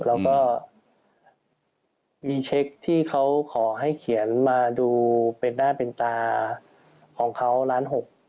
แล้วก็มีเช็คที่เขาขอให้เขียนมาดูเป็นหน้าเป็นตาของเขาล้าน๖